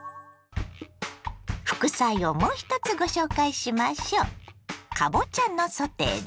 副菜をもう１つご紹介しましょう。